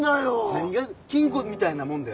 何が金庫みたいなもんだよ。